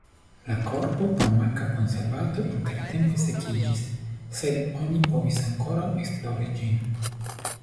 La korpo pro manka konservado intertempe sekiĝis, sed oni povis ankoraŭ esplori ĝin.